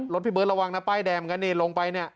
รถพี่เบิร์ดระวังนะป้ายแดมกันนี่ลงไปนี่